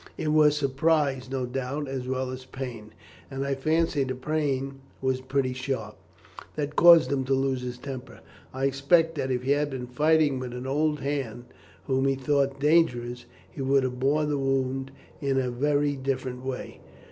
It was surprise, no doubt, as well as pain and I fancy the pain was pretty sharp that caused him to lose his temper. I expect that if he had been fighting with an old hand whom he thought dangerous, he would have borne the wound in a very different way.